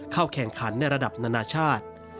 เข้าแข่งขันในระดับนานาชาติ